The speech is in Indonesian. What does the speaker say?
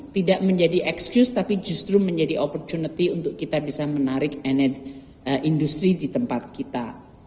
tidak menjadi excuse tapi justru menjadi opportunity untuk kita bisa menarik energi di tempat kita